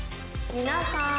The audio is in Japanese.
「皆さん！